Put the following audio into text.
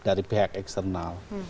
dari pihak eksternal